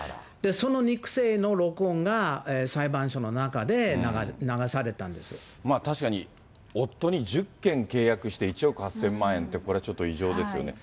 その肉声の録音が、確かに、夫に１０件契約して、１億８０００万円って、これちょっと異常ですよね。